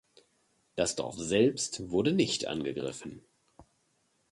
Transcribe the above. Das Dorf selbst wurde nicht angegriffen.